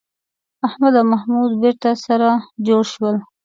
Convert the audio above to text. احمد او محمود بېرته سره جوړ شول